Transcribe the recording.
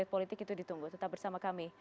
politik itu ditunggu tetap bersama kami